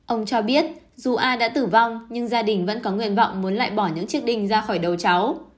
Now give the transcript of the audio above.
ông cho biết dù ai đã tử vong nhưng gia đình vẫn có nguyện vọng muốn lại bỏ những chiếc đinh ra khỏi đầu cháu